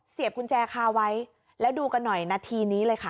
กุญแจคาไว้แล้วดูกันหน่อยนาทีนี้เลยค่ะ